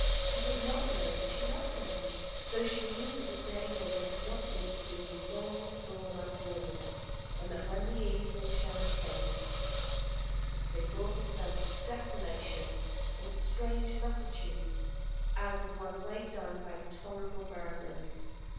She did not know that she loved him, though she knew that the day when they did not meet seemed a long drawn out weariness, and that when the evening shadows came, they brought a sense of desolation and a strange lassitude, as of one weighed down by intolerable burdens.